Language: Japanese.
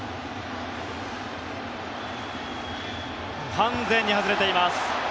完全に外れています。